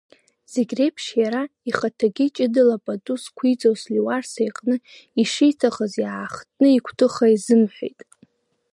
Зегь реиԥш иара ихаҭагьы ҷыдала пату зқәиҵоз Леуарса иҟны ишиҭахыз иаахтны игәҭыха изымҳәеит…